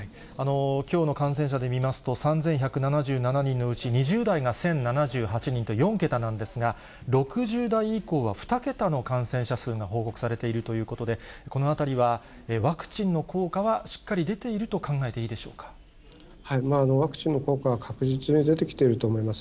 きょうの感染者で見ますと、３１７７人のうち、２０代が１０７８人と４桁なんですが、６０代以降は２桁の感染者数が報告されているということで、このあたりはワクチンの効果はしっかり出ていると考えていいでしワクチンの効果は確実に出てきていると思います。